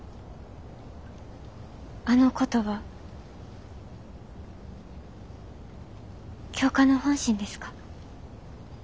あの言葉教官の本心ですか？